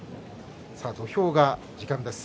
土俵が時間です。